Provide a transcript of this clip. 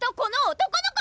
男の子？